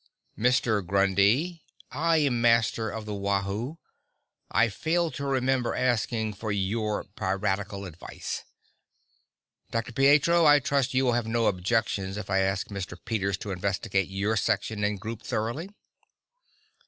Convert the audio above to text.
"Mister Grundy, I am master of the Wahoo. I fail to remember asking for your piratical advice. Dr. Pietro, I trust you will have no objections if I ask Mr. Peters to investigate your section and group thoroughly?"